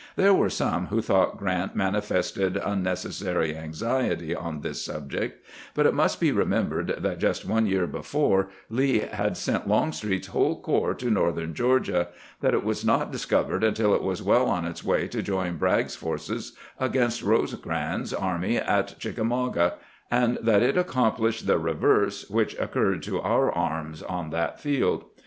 There were some who thought 314 CAMPAIGNING WITH GBANT Grrant manifested unnecessary anxiety on this subject : but it must be remembered that just one year before, Lee had sent Longstreet's whole corps to northern Georgia ; that it was not discovered until it was well on its way to join Bragg's forces against Rosecrans's army at Chick amauga; and that it accomplished the reverse which occurred to our arms on that field.